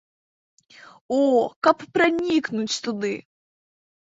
О, каб пранікнуць туды!